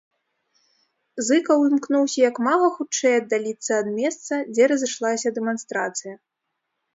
Зыкаў імкнуўся як мага хутчэй аддаліцца ад месца, дзе разышлася дэманстрацыя.